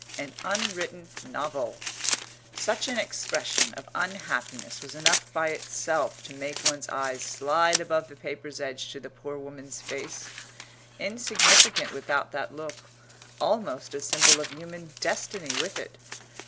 AN UNWRITTEN NOVEL Such an expression of unhappiness was enough by itself to make one's eyes slide above the paper's edge to the poor woman's face insignificant without that look, almost a symbol of human destiny with it.